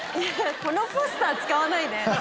このポスター使わないで。